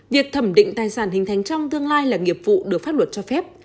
việc thẩm định tài sản hình thành trong tương lai là nghiệp vụ được pháp luật cho phép